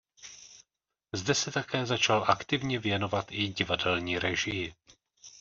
Zde se také začal aktivně věnovat i divadelní režii.